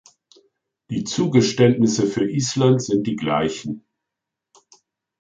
Die Zugeständnisse für Island sind die gleichen.